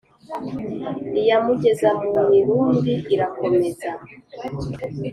Iyamugeza mu mirundi irakomeza